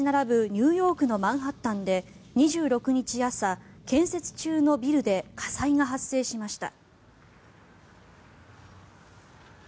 ニューヨークのマンハッタンで２６日朝、建設中のビルで火災が発生しました。